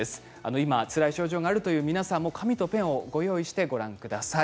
今つらい症状があるという皆さんも紙とペンをご用意してご覧ください。